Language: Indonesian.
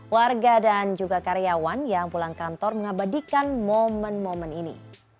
warga dan juga karyawan yang pulang kantor mengabadikan momen momen ini